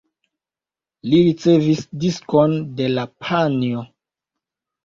Li ricevis diskon de la panjo.